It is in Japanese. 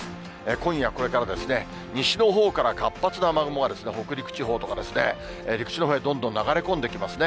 今夜これからですね、西のほうから活発な雨雲が北陸地方とかですね、陸地のほうへどんどん流れ込んできますね。